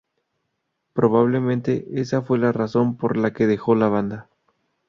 Probablemente esa fue la razón por la que dejó la banda.